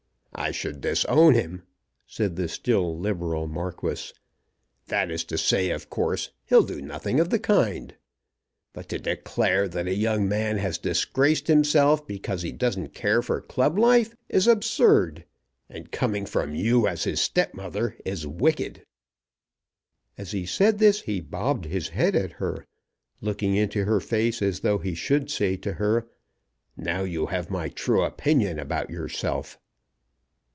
"I should disown him," said the still Liberal Marquis; "that is to say, of course he'll do nothing of the kind. But to declare that a young man has disgraced himself because he doesn't care for club life, is absurd; and coming from you as his stepmother is wicked." As he said this he bobbed his head at her, looking into her face as though he should say to her, "Now you have my true opinion about yourself."